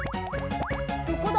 どこだ？